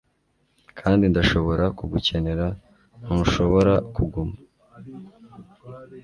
Kandi ndashobora kugukenera ntushobora kuguma